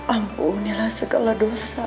ampunilah segala dosa